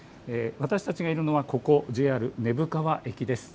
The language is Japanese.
私たちがいるのはここ、ＪＲ根府川駅です。